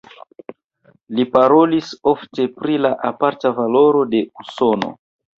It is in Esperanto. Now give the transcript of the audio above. Li parolis ofte pri la aparta valoro de Usono.